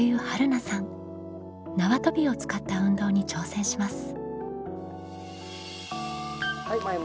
縄跳びを使った運動に挑戦します。